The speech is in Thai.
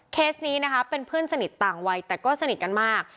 นี้นะคะเป็นเพื่อนสนิทต่างวัยแต่ก็สนิทกันมาก